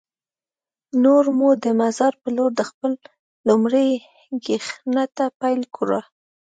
نور مو د مزار په لور د خپل چکر لومړۍ ګېنټه پیل کړه.